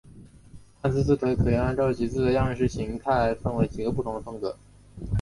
汉字字体可以按照其字的样式形态分成几个不同的风格。